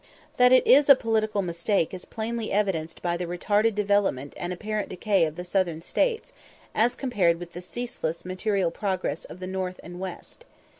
That it is a political mistake is plainly evidenced by the retarded development and apparent decay of the Southern States, as compared with the ceaseless material progress of the North and West.